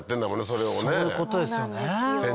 そういうことですよね。